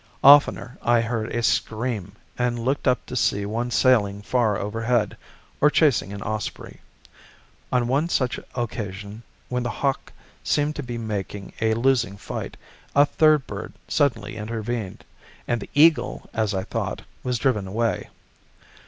Oftener I heard a scream, and looked up to see one sailing far overhead, or chasing an osprey. On one such occasion, when the hawk seemed to be making a losing fight, a third bird suddenly intervened, and the eagle, as I thought, was driven away.